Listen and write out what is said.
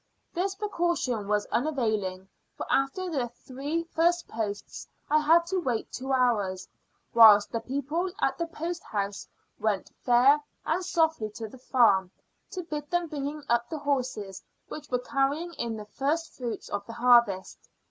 This precaution was unavailing, for after the three first posts I had to wait two hours, whilst the people at the post house went, fair and softly, to the farm, to bid them bring up the horses which were carrying in the first fruits of the harvest.